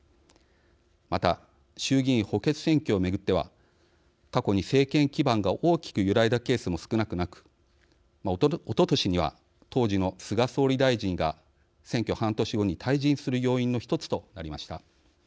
また、衆議院補欠選挙を巡っては過去に政権基盤が大きく揺らいだケースも少なくなくおととしには当時の菅総理大臣が選挙半年後に退陣する要因の１つとなりました。